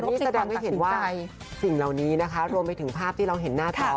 นี่แสดงให้เห็นว่าสิ่งเหล่านี้นะคะรวมไปถึงภาพที่เราเห็นหน้าจอ